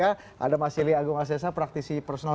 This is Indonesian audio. ada mas yeli agung azhasa praktisi personal